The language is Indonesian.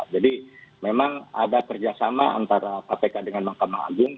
jadi memang ada kerjasama antara kpk dengan mahkamah agung